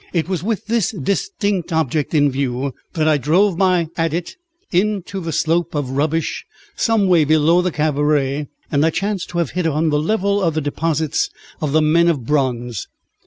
It was with this distinct object in view that I drove my adit into the slope of rubbish some way below the cabaret, and I chanced to have hit on the level of the deposits of the men of bronze.